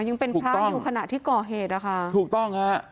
ยังเป็นพระอยู่ขณะที่ก่อเหตุนะคะถูกต้องฮะ